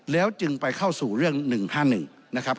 แล้วจึงไปเข้าสู่เรื่อง๑๕๑นะครับ